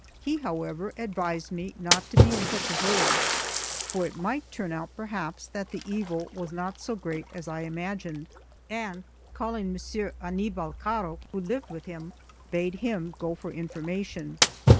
He, however, advised me not to be in such a hurry, for it might turn out perhaps that the evil was not so great as I imagined; and calling Messer Annibal Caro, who lived with him, bade him go for information.